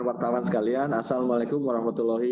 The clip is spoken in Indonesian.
wartawan sekalian assalamu'alaikum warahmatullahi